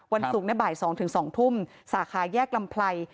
วันศุกร์ในบ่าย๒๒ทุ่มสาขาแยกลำไพร